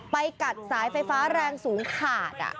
ไปกัดสายไฟฟ้าแรงสูงขาด